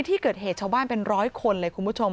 ที่เกิดเหตุชาวบ้านเป็นร้อยคนเลยคุณผู้ชม